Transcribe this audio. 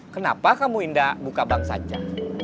kenapa kamu indah buka bank saja